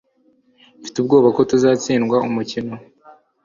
mfite ubwoba ko tuzatsindwa umukino